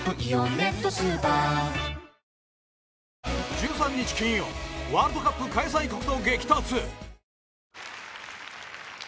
１３日金曜ワールドカップ開催国と激突。